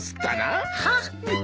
はっ。